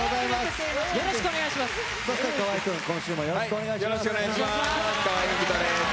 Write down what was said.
よろしくお願いします。